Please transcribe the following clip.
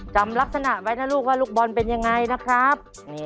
จำลักษณะไว้นะลูกว่าลูกบอลเป็นยังไงนะครับ